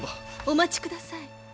お待ちください。